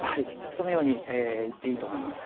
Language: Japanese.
そのように言っていいと思います。